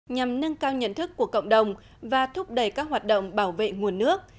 nhằm nâng cao nhận thức của cộng đồng và thúc đẩy các hoạt động bảo vệ nguồn nước